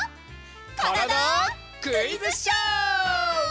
「からだ☆クイズショー」！